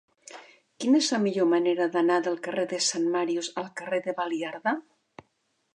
Quina és la millor manera d'anar del carrer de Sant Màrius al carrer de Baliarda?